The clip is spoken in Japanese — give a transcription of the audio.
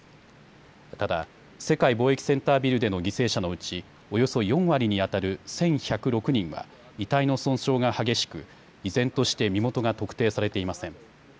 ただ、世界貿易センタービルでの犠牲者のうちおよそ４割にあたる１１０６人は遺体の損傷が激しく依然として身元が特定されていません。